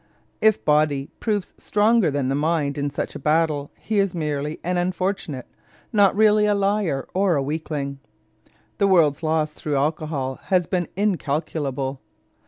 If body proves stronger than the mind in such a battle, he is merely an unfortunate, not really a liar or a weakling. The world's loss through alcohol has been incalculable.